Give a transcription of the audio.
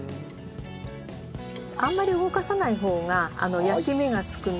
あんまり動かさない方が焼き目が付くので。